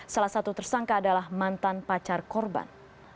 salah satu tersangka adalah mantan pacar korban